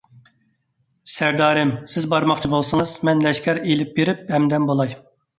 سەردارىم، سىز بارماقچى بولسىڭىز، مەن لەشكەر ئېلىپ بېرىپ ھەمدەم بولاي.